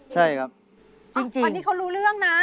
ใช่ครับจริงอันนี้เขารู้เรื่องนะ